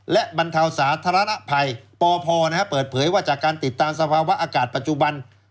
และบรรเทาสาธารณภัยปพเปิดเผยว่าจากการติดตามสภาวะอากาศปัจจุบัน